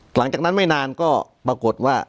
หลังจากนั้นไม่นานก็ปรากฏว่า